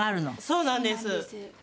そうなんです。